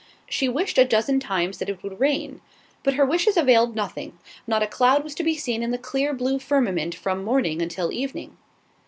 She wished a dozen times that it would rain. But her wishes availed nothing; not a cloud was to be seen in the clear blue firmament from morning until evening.